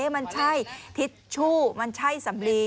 มันใช่ทิชชู่มันใช่สำลี